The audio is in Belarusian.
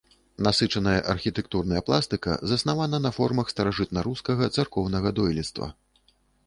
Насычаная архітэктурная пластыка заснавана на формах старажытнарускага царкоўнага дойлідства.